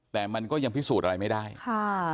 แต่มันก็ยังพิสูจน์อะไรไม่ได้ค่ะ